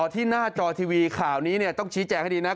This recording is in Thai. ที่หน้าจอทีวีข่าวนี้ต้องชี้แจงให้ดีนะ